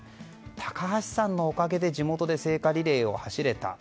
高橋さんのおかげで地元で聖火リレーを走れた。